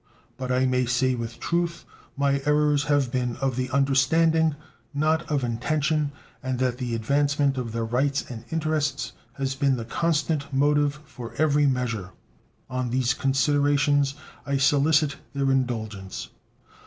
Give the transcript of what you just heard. But I may say with truth my errors have been of the understanding, not of intention, and that the advancement of their rights and interests has been the constant motive for every measure. On these considerations I solicit their indulgence.